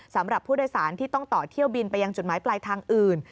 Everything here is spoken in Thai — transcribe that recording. สำหรับผู้โดยสารที่ต้องต่อเที่ยวบินไปยังจุดหมายปลายทางอื่น